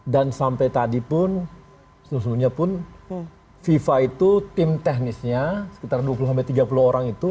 dan sampai tadi pun fifa itu tim teknisnya sekitar dua puluh tiga puluh orang itu